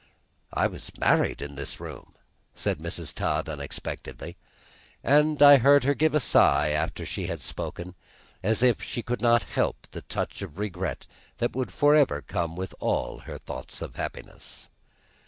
"I was married in this room," said Mrs. Todd unexpectedly; and I heard her give a sigh after she had spoken, as if she could not help the touch of regret that would forever come with all her thoughts of happiness.